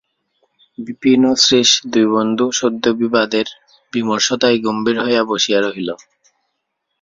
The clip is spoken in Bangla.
বিপিন ও শ্রীশ দুই বন্ধু সদ্যোবিবাদের বিমর্ষতায় গম্ভীর হইয়া বসিয়া রহিল।